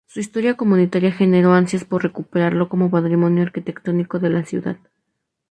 Su historia comunitaria generó ansias por recuperarlo como patrimonio arquitectónico de la ciudad.